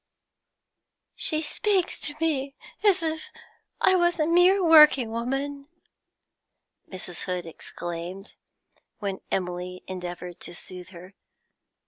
'She speaks to me as if I was a mere working woman,' Mrs. Hood exclaimed, when Emily endeavoured to soothe her.